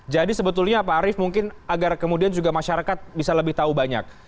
jadi sebetulnya pak arief mungkin agar kemudian juga masyarakat bisa lebih tahu banyak